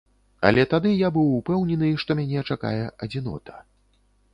Але тады я быў упэўнены, што мяне чакае адзінота.